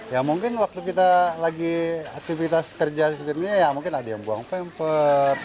ya mungkin waktu kita lagi aktivitas kerja mungkin ada yang buang pampers